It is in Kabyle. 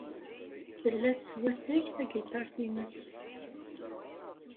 Tella teswatay tagiṭart-nnes.